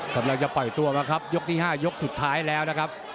กำลังจะปล่อยตัวมาครับยกที่๕ยกสุดท้ายแล้วนะครับ